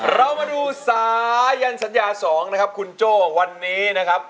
เรามาดูสายันสัญญา๒นะครับคุณโจ้วันนี้นะครับ